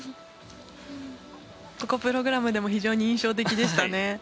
プログラムでも非常に印象的でした。